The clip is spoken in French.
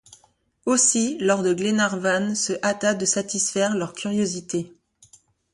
Aussi lord Glenarvan se hâta de satisfaire leur curiosité.